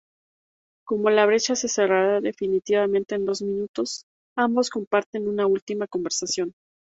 Como la brecha se cerrará definitivamente en dos minutos, ambos comparten una última conversación.